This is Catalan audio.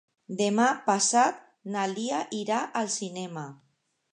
Demà passat na Lia irà al cinema.